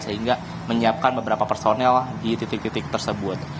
sehingga menyiapkan beberapa personel di titik titik tersebut